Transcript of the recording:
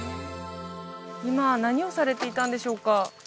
今何をされていたんでしょうか？